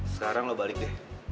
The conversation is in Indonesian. sekarang lo balik deh